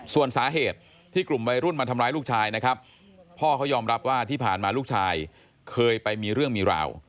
ส่วนสาเหตุที่กลุ่มวัยรุ่นมาทำร้ายลูกชายนะครับพ่อเขายอมรับว่าที่ผ่านมาลูกชายเคยไปมีเรื่องมีราว